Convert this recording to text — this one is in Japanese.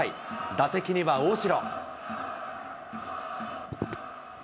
打席には大城。